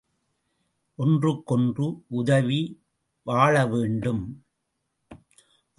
ஒன்றுக்கொன்று உதவி வாழ வேண்டும்.